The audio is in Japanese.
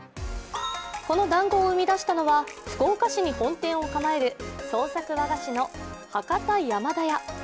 このだんごを生み出したのは、福岡市に本店を構える創作和菓子のＨａｋａｔａ／／ｙａｍａｄａｙａ。